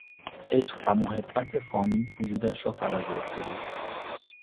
عشق و محبت فامیل وجودش را فرا گرفته بود.